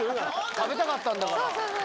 食べたかったんだから。